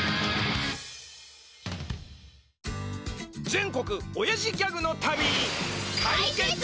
全国おやじギャグの旅！